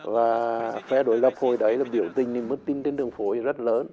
và phé đổi lập hồi đấy là biểu tình mức tin trên đường phối rất lớn